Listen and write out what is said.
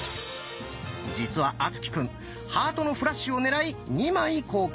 実は敦貴くん「ハートのフラッシュ」を狙い２枚交換。